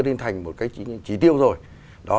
lên thành một cái chỉ tiêu rồi đó